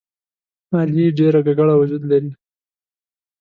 علي ډېر ګګړه وجود لري.